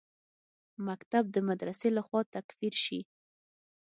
مکتب د مدرسې لخوا تکفیر شي.